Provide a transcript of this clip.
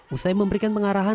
usai memberikan pengarahan